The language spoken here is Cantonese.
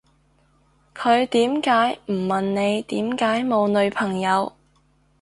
佢點解唔問你點解冇女朋友